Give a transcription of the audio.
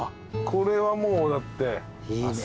これはもうだって。